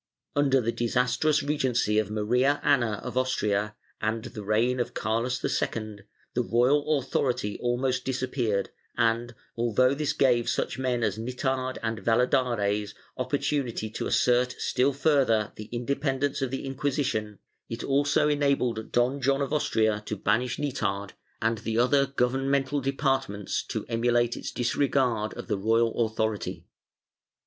Under the disastrous regency of Maria Ana of Austria and the reign of Carlos II, the royal authority almost disappeared and, although this gave such men as Nithard and Valladares opportunity to assert still further the independence of the Inquisition, it also enabled Don John of Austria to banish VOL. IV 25 ( 3S5 ) 386 DECADENCE AND EXTINCTION [Book IX Nithard and the other governmental departments to emulate its disregard of the royal authority.